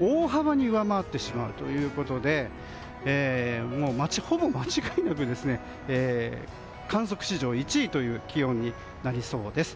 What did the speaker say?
大幅に上回ってしまうということでほぼ間違いなく観測史上１位という気温になりそうです。